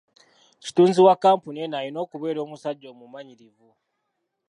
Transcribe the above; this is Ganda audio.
Kitunzi wa kkampuni eno alina okubeera omusajja omumanyirivu.